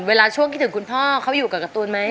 เวลาช่วงคิดถึงคุณพ่อเขาอยู่กับการ์ตูนไหม